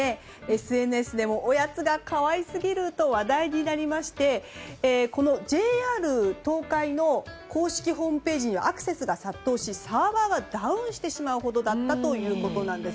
ＳＮＳでもおやつが可愛すぎると話題になりましてこのＪＲ東海の公式ホームページにアクセスが殺到しサーバーがダウンしてしまうほどだったということです。